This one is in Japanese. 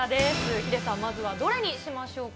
ヒデさん、まずはどれにしましょうか。